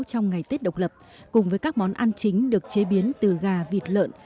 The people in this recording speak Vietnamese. trong ngày tết độc lập cùng với các món ăn chính được chế biến từ gà vịt lợn